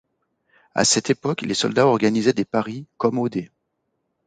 À cette époque, les soldats organisaient des paris, comme aux dés.